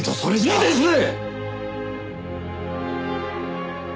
いいですね！？